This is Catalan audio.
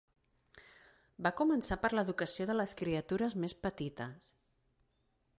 Va començar per l'educació de les criatures més petites.